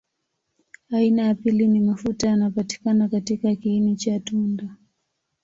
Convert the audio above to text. Aina ya pili ni mafuta yanapatikana katika kiini cha tunda.